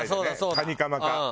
カニカマか。